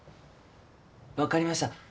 分かりました。